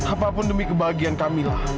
apapun demi kebahagiaan kamila